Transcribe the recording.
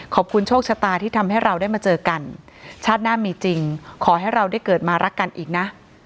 ขอบคุณโชคชะตาที่ทำให้เราได้มาเจอกันชาติหน้ามีจริงขอให้เราได้เกิดมารักกันอีกนะ